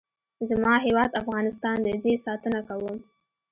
زما هیواد افغانستان دی. زه یې ساتنه کوم.